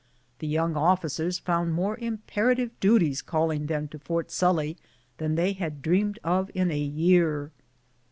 The young officers found more imperative du ties calling them to Fort Sully than they had dreamed of in a year.